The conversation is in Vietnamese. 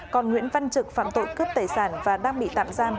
còn nguyễn văn trực phạm tội cướp tài sản và đang bị tạm giam